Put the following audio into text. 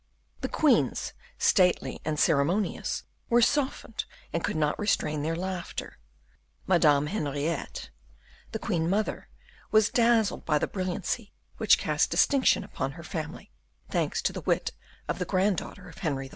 The queens, stately and ceremonious, were softened and could not restrain their laughter. Madame Henriette, the queen mother, was dazzled by the brilliancy which cast distinction upon her family, thanks to the wit of the grand daughter of Henry IV.